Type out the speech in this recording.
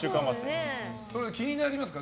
それ気になりますか？